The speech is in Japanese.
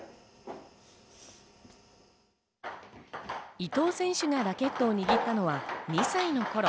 伊藤選手がラケットを握ったのは２歳の頃。